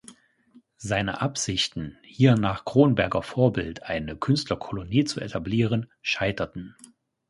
Seine Absichten, hier nach Kronberger Vorbild eine Künstlerkolonie zu etablieren, scheiterten.